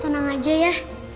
kau tenang aja ya